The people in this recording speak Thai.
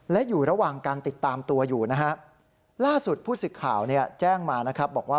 และอยู่ระหว่างการติดตามตัวอยู่ล่าสุดผู้ศึกข่าวแจ้งมาบอกว่า